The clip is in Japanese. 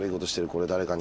これ誰かに。